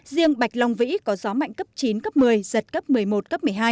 riêng bạch long vĩ có gió mạnh cấp chín cấp một mươi giật cấp một mươi một cấp một mươi hai